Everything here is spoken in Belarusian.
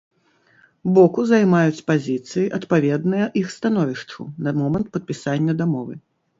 Боку займаюць пазіцыі, адпаведныя іх становішчу на момант падпісання дамовы.